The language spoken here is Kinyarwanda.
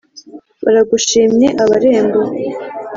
baragushimye abarembo